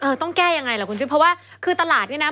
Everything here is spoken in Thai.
เออต้องแก้ยังไงหรอคุณจิ๊บเพราะว่าคือตลาดเนี่ยนะ